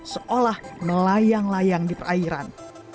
seolah melayang layang di perairan